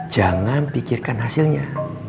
jangan pikirkan hasilnya